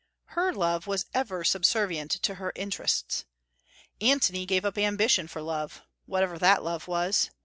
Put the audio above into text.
Her love was ever subservient to her interests. Antony gave up ambition for love, whatever that love was.